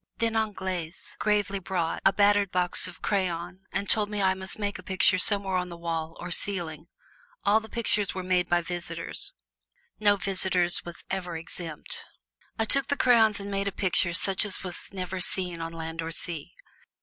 Then Anglaise gravely brought a battered box of crayon and told me I must make a picture somewhere on the wall or ceiling: all the pictures were made by visitors no visitor was ever exempt. I took the crayons and made a picture such as was never seen on land or sea.